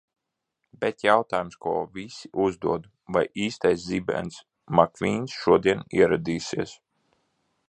Bet jautājums, ko visi uzdod: vai īstais Zibens Makvīns šodien ieradīsies?